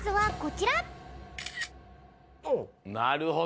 なるほど。